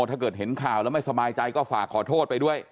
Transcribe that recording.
ถ้าเกิดเห็นข่าวแล้วไม่สบายใจก็ฝากขอโทษไปด้วย